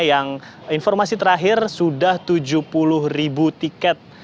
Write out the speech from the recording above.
yang informasi terakhir sudah tujuh puluh ribu tiket